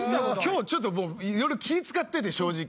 今日ちょっといろいろ気ぃ使ってて正直。